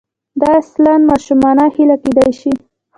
دا اصلاً ماشومانه هیله کېدای شي.